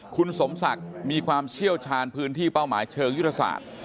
คุณสมศักดิ์มีความเชี่ยวชาญพื้นที่เป้าหมายเชิงยุทธศาสตร์